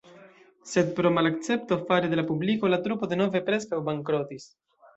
Sed pro malakcepto fare de la publiko la trupo denove preskaŭ bankrotis.